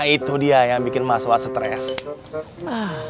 itu dia yang bikin mas waw stress